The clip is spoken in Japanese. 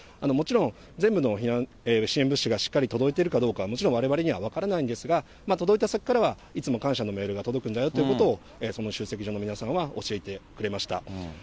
もちろん、全部の支援物資がしっかり届いているかどうかは、もちろんわれわれには分からないんですが、届いた先からは、いつも感謝のメールが届くんだよということを、その集積場の皆さんは教えてくれました。